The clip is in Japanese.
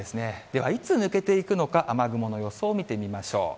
ではいつ抜けていくのか、雨雲の予想を見てみましょう。